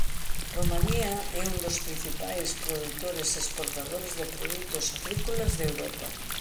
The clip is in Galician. Romanía é un dos principais produtores e exportadores de produtos agrícolas de Europa.